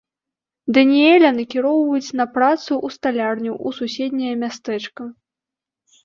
Даніэля накіроўваюць на працу ў сталярню ў суседняе мястэчка.